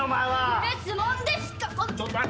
許すもんですか。